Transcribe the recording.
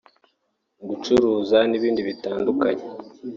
gucuruza n’ibindi bitandukanye